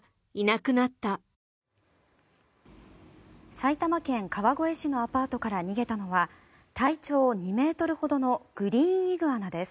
埼玉県川越市のアパートから逃げたのは体長２ｍほどのグリーンイグアナです。